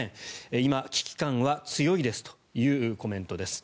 今、危機感は強いですというコメントです。